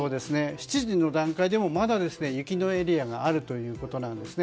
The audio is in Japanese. ７時の段階でもまだ雪のエリアがあるということなんですね。